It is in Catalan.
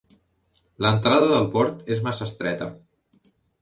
L'entrada del port és massa estreta.